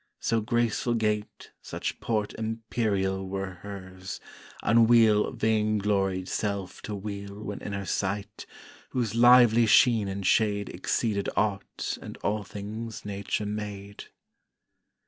So graceful gait, such port imperial Were hers, unweal vainglory'd self to weal When in her sight, whose lively sheen and shade Exceeded aught and all things Nature made.